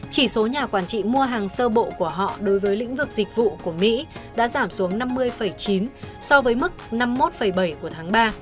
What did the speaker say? chỉ số nhà quản trị mua hàng sơ bộ của họ đối với lĩnh vực dịch vụ của mỹ đã giảm xuống năm mươi chín so với mức năm mươi một bảy của tháng ba